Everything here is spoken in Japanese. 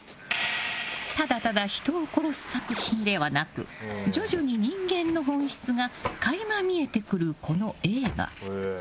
ただただ人を殺す作品ではなく徐々に人間の本質が垣間見えてくる、この映画。